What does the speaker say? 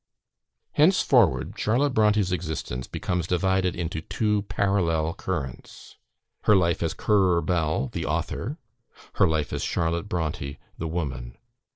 Henceforward Charlotte Brontë's existence becomes divided into two parallel currents her life as Currer Bell, the author; her life as Charlotte Brontë, the woman.